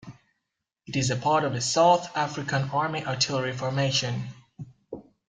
It is part of the South African Army Artillery Formation.